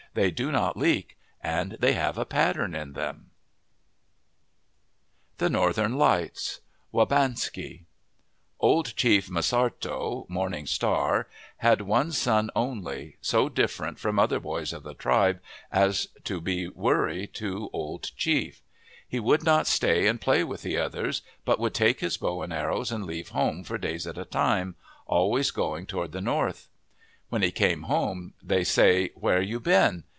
They do not leak and they have a pattern in them. 142 OF THE PACIFIC NORTHWEST THE NORTHERN LIGHTS Wabanski o LD CHIEF M'SARTTO, Morning Star, had one son only, so different from other J * boys of the tribe as to be worry to Old Chief. He would not stay and play with the others, but would take his bow and arrows and leave home for days at a time, always going toward the North. When he come home, they say, ' Where you been